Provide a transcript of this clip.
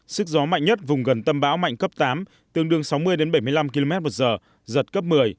sức gió mạnh nhất vùng gần tâm bão mạnh cấp tám tương đương sáu mươi bảy mươi năm km một giờ giật cấp một mươi